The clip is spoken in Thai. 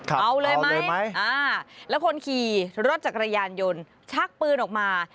เอาเลยไหมแล้วคนขี่รถจักรยานยนต์ชักปืนออกมา